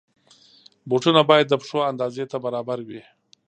بوټونه باید د پښو اندازې ته برابر وي.